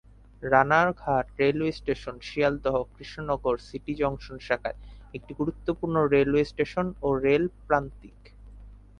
Ranaghat railway station Sealdah- Krishnanagar city junction শাখার একটি গুরুত্বপূর্ণ রেলওয়ে স্টেশন ও রেল প্রান্তিক।